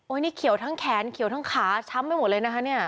นี่เขียวทั้งแขนเขียวทั้งขาช้ำไปหมดเลยนะคะเนี่ย